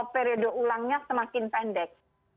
periode ulangnya semakin pendek